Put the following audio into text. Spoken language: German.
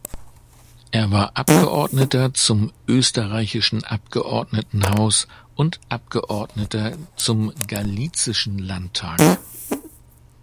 Er war Abgeordneter zum Österreichischen Abgeordnetenhaus und Abgeordneter zum Galizischen Landtag.